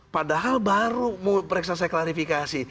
padahal baru mau periksa saya klarifikasi